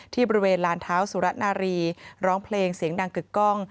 ที่บริเวณลานเท้าสุรนารีร้องเพลงเสียงดังกึกกล้อง